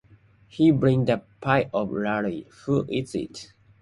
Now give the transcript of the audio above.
He brings the pie to Larry, who eats it.